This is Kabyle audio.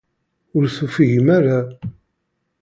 Ur tufigem ara.